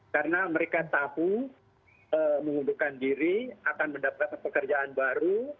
karena mereka tahu mengundurkan diri akan mendapatkan pekerjaan baru